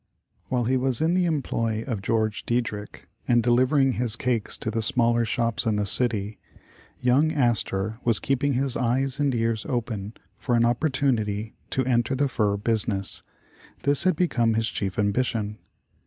WHILE he was in the employ of George Dieder ich, and delivering his cakes to the smaller shops in the city, young Astor was keeping his eyes and ears open for an opportunity to enter the fur business. This had become his chief ambition.